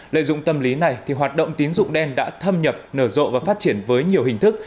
lợi dụng tâm lý này thì hoạt động tín dụng đen đã thâm nhập nở rộ và phát triển với nhiều hình thức